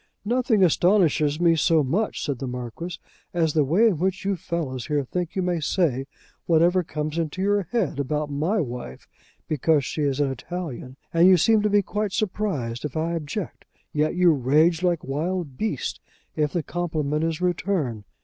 "Nothing astonishes me so much," said the Marquis, "as the way in which you fellows here think you may say whatever comes into your head about my wife, because she is an Italian, and you seem to be quite surprised if I object; yet you rage like wild beasts if the compliment is returned.